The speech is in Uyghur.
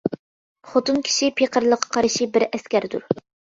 خوتۇن كىشى پېقىرلىققا قارشى بىر ئەسكەردۇر.